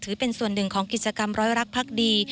เป็นส่วนหนึ่งของกิจกรรมร้อยรักพักดี